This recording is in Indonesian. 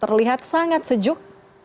terlihat sangat sejuk